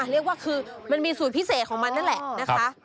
เรียกว่าคือมันมีสูตรพิเศษของมันนั่นแหละนะคะ